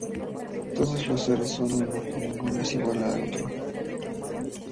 Todos los seres son uno y ninguno es igual que otro.